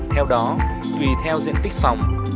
theo đó tùy theo diện tích phòng